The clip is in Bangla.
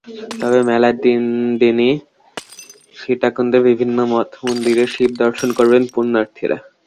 তবে মেলার তিন দিনই সীতাকুণ্ডের বিভিন্ন মঠ-মন্দিরে শিব দর্শন করবেন পুণ্যার্থীরা।